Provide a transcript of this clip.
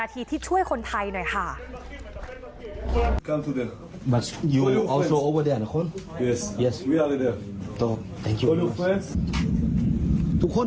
และก็จับกลุ่มฮามาสอีก๒๖คน